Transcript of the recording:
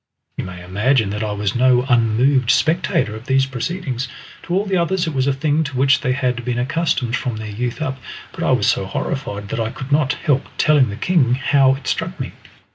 You may imagine that I was no unmoved spectator of these proceedings; to all the others it was a thing to which they had been accustomed from their youth up; but I was so horrified that I could not help telling the king how it struck me.